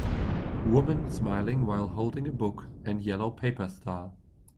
Woman smiling while holding a book and yellow paper star.